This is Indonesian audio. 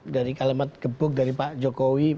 dari kalimat gebuk dari pak jokowi